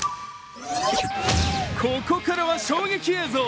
ここからは衝撃映像！